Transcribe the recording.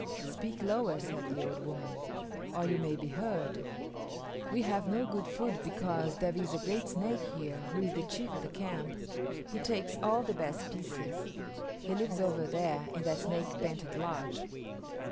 "Speak lower," said the old woman, "or you may be heard. We have no good food because there is a great snake here who is the chief of the camp. He takes all the best pieces. He lives over there in that snake painted lodge."